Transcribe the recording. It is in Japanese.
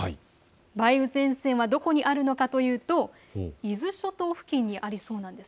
梅雨前線はどこにあるのかというと伊豆諸島付近にありそうなんです。